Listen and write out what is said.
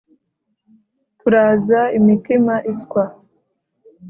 turaza imitima iswa